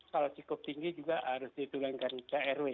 kalau cukup tinggi juga harus diturunkan ke rw